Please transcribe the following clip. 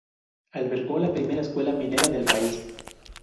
Albergó la primera escuela minera del país.